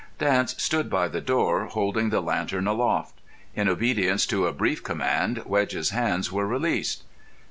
Dance stood by the door, holding the lantern aloft. In obedience to a brief command Wedge's hands were released.